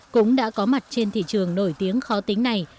cũng đã có mặt trên thị trường nổi tiếng khó tính này